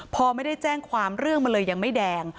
พอไม่ได้แจ้งความเรื่องมันเลยยังไม่แดง